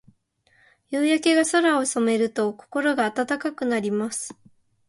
夕焼けが空を染めると、心が温かくなります。